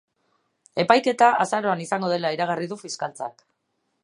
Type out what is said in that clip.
Epaiketa azaroan izango dela iragarri du fiskaltzak.